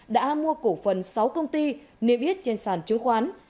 đã mua cổ phần sáu công ty niêm yết trên sàn chứng khoán